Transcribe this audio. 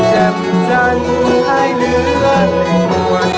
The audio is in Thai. แจบจันทร์ให้เลือด